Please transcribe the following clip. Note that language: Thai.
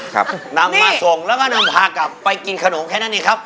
ครับนำมาส่งแล้วก็นำพากลับไปกินขนมแค่นั้นเองครับ